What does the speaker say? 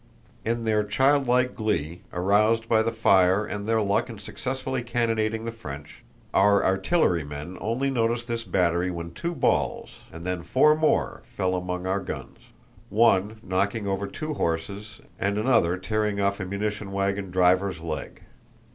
In their childlike glee, aroused by the fire and their luck in successfully cannonading the French, our artillerymen only noticed this battery when two balls, and then four more, fell among our guns, one knocking over two horses and another tearing off a munition wagon driver's leg.